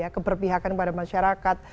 keberpihakan kepada masyarakat